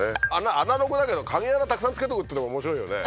アナログだけど鍵穴たくさんつけておくっていうのも面白いよね。